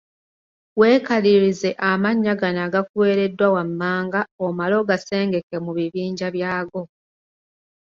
Weekalirize amannya gano agakuweereddwa wammanga omale ogasengeke mu bibinja byago.